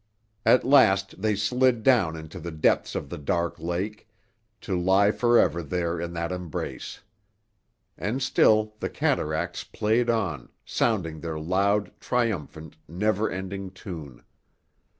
At last they slid down into the depths of the dark lake, to lie forever there in that embrace. And still the cataracts played on, sounding their loud, triumphant, never ending tune.